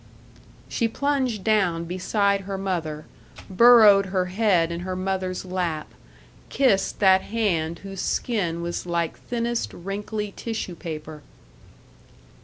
She plunged down beside her mother, burrowed her head in her mother's lap, kissed that hand whose skin was like thinnest wrinkly tissue paper.